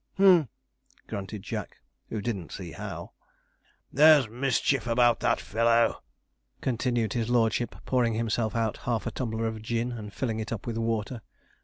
'Humph!' grunted Jack, who didn't see how. 'There's mischief about that fellow,' continued his lordship, pouring himself out half a tumbler of gin, and filling it up with water.